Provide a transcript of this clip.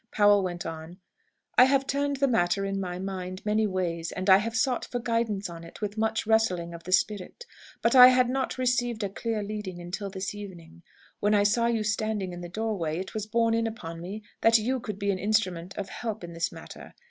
Powell went on: "I have turned the matter in my mind, many ways. And I have sought for guidance on it with much wrestling of the spirit. But I had not received a clear leading until this evening. When I saw you standing in the doorway, it was borne in upon me that you could be an instrument of help in this matter.